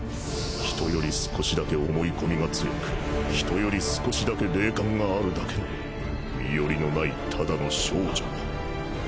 人より少しだけ思い込みが強く人より少しだけ霊感があるだけの身寄りのないただの少女を。